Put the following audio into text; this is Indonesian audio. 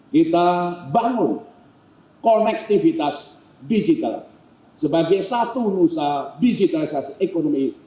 kita bangun konektivitas digital sebagai satu nusa digitalisasi ekonomi